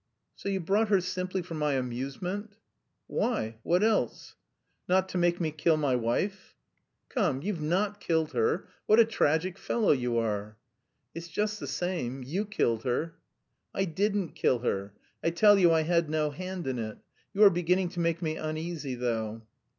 "So you brought her simply for my amusement?" "Why, what else?" "Not to make me kill my wife?" "Come. You've not killed her? What a tragic fellow you are! "It's just the same; you killed her." "I didn't kill her! I tell you I had no hand in it.... You are beginning to make me uneasy, though...."